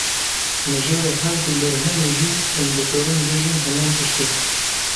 Mijara her du berhemê jî, em dikarin bêjin heman tişt e